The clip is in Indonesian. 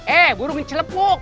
eh burung ngecelepuk